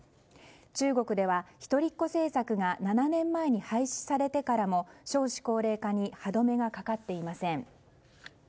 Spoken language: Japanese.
中国では一人っ子政策が７年前に廃止されてからも少子高齢化に歯止めがかかっていません。